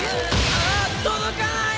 あっ届かない！